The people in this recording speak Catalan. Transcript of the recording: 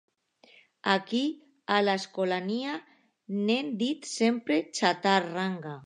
Aquí a l'Escolania n'hem dit sempre xarranca.